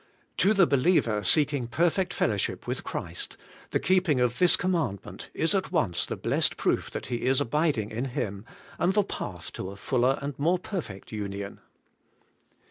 To the believer seeking per fect fellowship with Christ, the keeping of this com ^ mandment is at once the blessed proof that he is abiding in Him, and the path to a fuller and more perfect union.